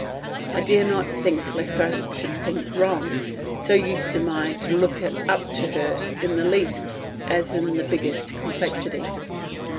I dare not think, lest I should think wrong, so used am I to look up to her in the least as in the biggest perplexity.